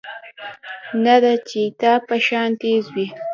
نۀ د چيتا پۀ شان تېز وي